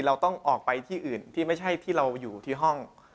เราต้องออกไปที่อื่นที่ไม่ใช่ที่เราอยู่ที่ห้อง